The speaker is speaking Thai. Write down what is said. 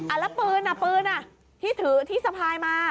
แล้วปืนอ่ะปืนอ่ะที่ถือที่สะพายมา